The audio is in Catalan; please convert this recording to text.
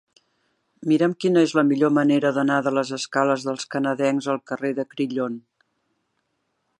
Mira'm quina és la millor manera d'anar de les escales dels Canadencs al carrer de Crillon.